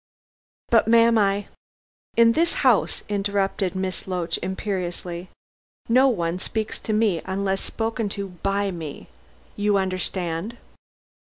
"But, ma'am, I " "In this house," interrupted Miss Loach imperiously, "no one speaks to me, unless spoken to by me. You understand!"